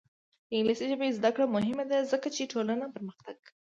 د انګلیسي ژبې زده کړه مهمه ده ځکه چې ټولنه پرمختګ کوي.